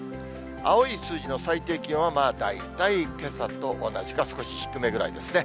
青い数字の最低気温は、大体けさと同じか、少し低めぐらいですね。